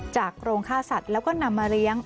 โรงฆ่าสัตว์แล้วก็นำมาเลี้ยง